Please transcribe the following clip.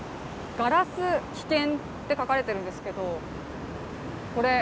ガラス危険って書かれてるんですけど。